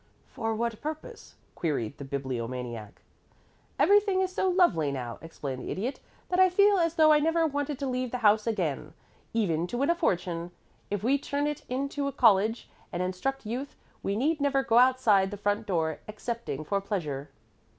"For what purpose?" queried the Bibliomaniac. "Everything is so lovely now," explained the Idiot, "that I feel as though I never wanted to leave the house again, even to win a fortune. If we turn it into a college and instruct youth, we need never go outside the front door excepting for pleasure."